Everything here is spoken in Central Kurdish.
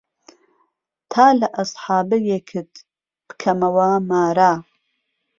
تا لە ئەسحابەیەکت پکەمەوە مارە